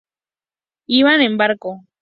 Iban en barco?